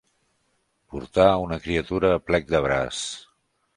Portar una criatura a plec de braç.